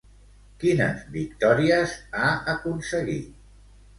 Quines victòries ha aconseguit?